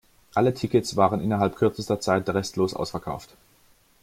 Alle Tickets waren innerhalb kürzester Zeit restlos ausverkauft.